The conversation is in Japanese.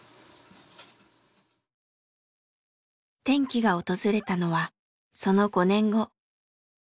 転機が訪れたのはその５年後。